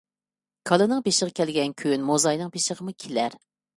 كالىنىڭ بېشىغا كەلگەن كۈن مۇزاينىڭ بېشىغىمۇ كېلەر.